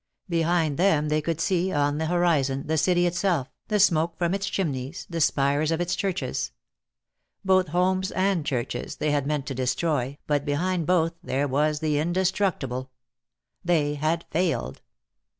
Behind them they could see, on the horizon, the city itself, the smoke from its chimneys, the spires of its churches. Both, homes and churches, they had meant to destroy, but behind both there was the indestructible. They had failed.